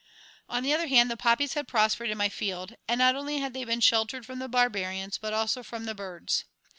On the other hand, the poppies had prospered in my field; and not only had they been sheltered from the barbarians, but also from the birds.